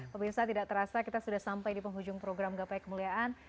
pemirsa tidak terasa kita sudah sampai di penghujung program gapai kemuliaan